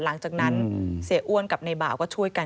หลังจากนั้นเสียอ้วนกับในบ่าวก็ช่วยกัน